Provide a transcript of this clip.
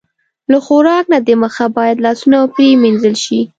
له خوراک نه د مخه باید لاسونه پرېمنځل شي.